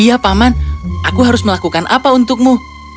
iya paman aku harus melakukan apa untukmu